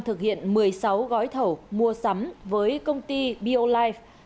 thực hiện một mươi sáu gói thẩu mua sắm với công ty biolife